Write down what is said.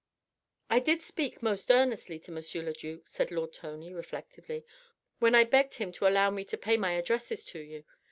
"I did speak most earnestly to M. le duc," said Lord Tony reflectively, "when I begged him to allow me to pay my addresses to you.